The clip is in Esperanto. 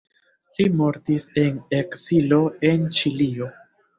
Li mortis en ekzilo en Ĉilio.